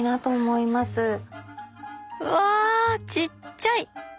うわちっちゃい！